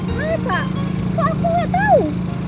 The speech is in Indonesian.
masa kok aku gak tau